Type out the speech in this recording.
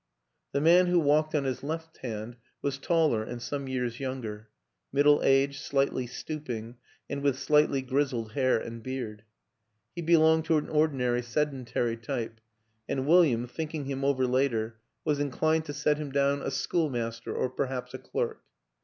The man who walked on his left hand was taller and some years younger middle aged, slightly stooping and with slightly grizzled hair and beard. He belonged to an ordinary seden tary type, and William, thinking him over later, was inclined to set him down a schoolmaster, or perhaps a clerk.